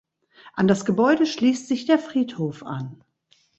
An das Gebäude schließt sich der Friedhof an.